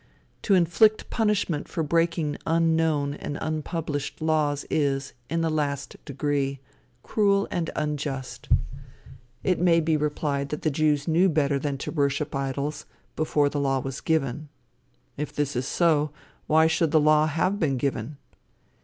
To inflict punishment for breaking unknown and unpublished laws is, in the last degree, cruel and unjust. It may be replied that the Jews knew better than to worship idols, before the law was given. If this is so, why should the law have been given?